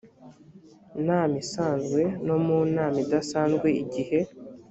nama isanzwe no mu nama idasanzwe igihe